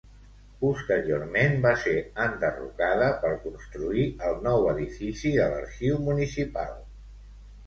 Posteriorment va ser enderrocada per construir el nou edifici de l'Arxiu Municipal.